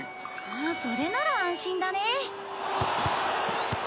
それなら安心だね。